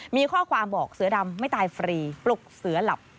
มีข้อความบอกเสือดำไม่ตายฟรีปลุกเสือหลับ